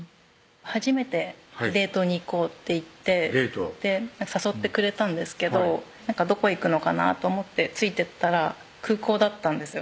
初めて「デートに行こう」って言って誘ってくれたんですけどどこ行くのかなと思ってついてったら空港だったんですよ